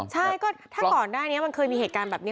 ใช่ก็ถ้าก่อนหน้านี้มันเคยมีเหตุการณ์แบบนี้